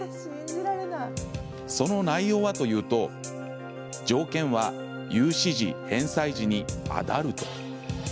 その内容はというと「条件は融資時、返済時にアダルト」